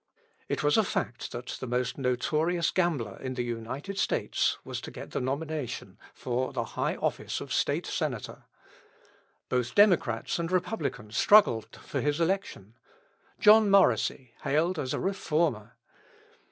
It was a fact that the most notorious gambler in the United States was to get the nomination for the high office of State Senator. Both Democrats and Republicans struggled for his election John Morrisey, hailed as a reformer!